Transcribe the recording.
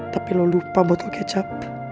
tapi lo lupa buat kecap